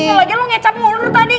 apalagi lo ngecap ngurut tadi